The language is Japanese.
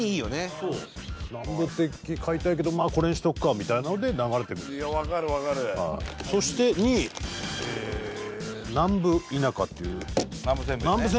そう南部鉄器買いたいけどまあこれにしとくかみたいなので流れでいや分かる分かるそして２位南部田舎っていう南部せんべいですね